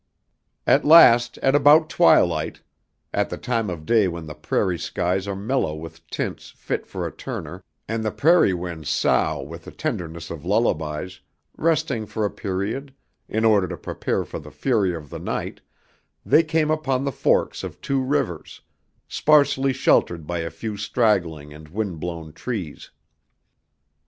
At last at about twilight, at the time of day when the prairie skies are mellow with tints fit for a Turner and the prairie winds sough with the tenderness of lullabies, resting for a period, in order to prepare for the fury of the night, they came upon the forks of the two rivers, sparsely sheltered by a few straggling and wind blown trees.